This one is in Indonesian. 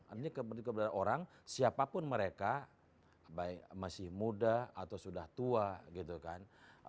artinya kepentingan orang siapapun mereka baik masih muda atau sudah tua gitu kan